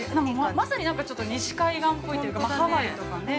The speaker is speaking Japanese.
まさになんか西海岸っぽいというか、ハワイとかね。